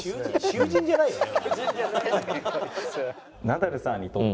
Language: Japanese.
囚人じゃないよね？